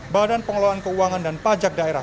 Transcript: badan pengelolaan keuangan dan pajak daerah